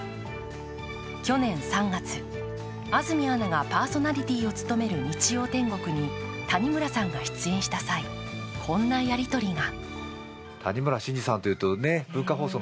去年３月、安住アナがパーソナリティーを務める「日曜天国」に谷村さんが出演した際、こんなやり取りが。